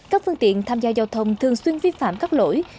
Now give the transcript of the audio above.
các phương tiện tham gia giao thông thường xuyên vi phạm các lỗi